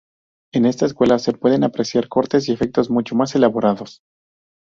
En esta secuela se pueden apreciar cortes y efectos mucho más elaborados.